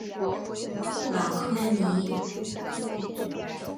朗科尼。